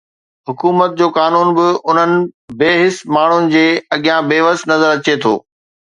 حڪومت جو قانون به انهن بي حس ماڻهن جي اڳيان بي وس نظر اچي ٿو